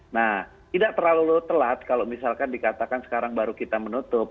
nah tidak terlalu telat kalau misalkan dikatakan sekarang baru kita menutup